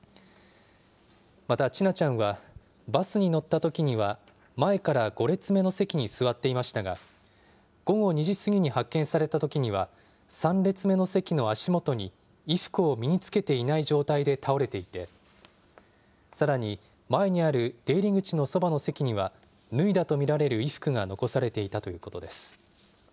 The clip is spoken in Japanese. また千奈ちゃんは、バスに乗ったときには前から５列目の席に座っていましたが、午後２時過ぎに発見されたときには、３列目の席の足元に、衣服を身に着けていない状態で倒れていて、さらに前にある出入り口のそばの席には、脱いだと見られる衣服が残されていたということです。